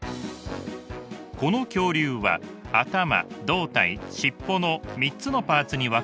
この恐竜は頭胴体尻尾の３つのパーツに分かれています。